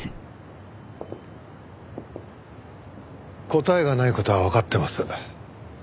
答えがない事はわかってます。